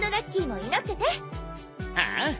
ああ。